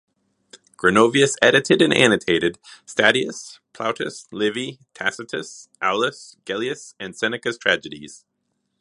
Gronovius edited and annotated Statius, Plautus, Livy, Tacitus, Aulus Gellius and Seneca's tragedies.